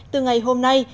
từ ngày hôm nay